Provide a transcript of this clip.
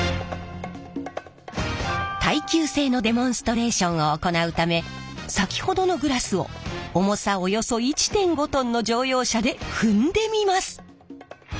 耐久性のデモンストレーションを行うため先ほどのグラスを重さおよそ１．５ｔの乗用車で踏んでみます！